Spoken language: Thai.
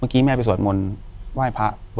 อยู่ที่แม่ศรีวิรัยิลครับ